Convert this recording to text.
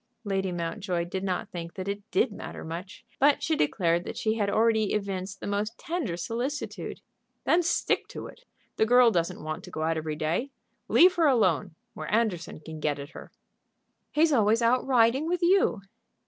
Lady Mountjoy did not think that it did matter much; but she declared that she had already evinced the most tender solicitude. "Then stick to it. The girl doesn't want to go out every day. Leave her alone, where Anderson can get at her." "He's always out riding with you."